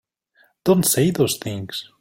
Don't say those things!